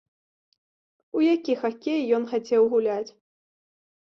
У які хакей ён хацеў гуляць?